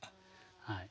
はい。